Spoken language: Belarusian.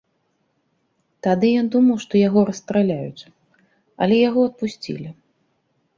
Тады ён думаў, што яго расстраляюць, але яго адпусцілі.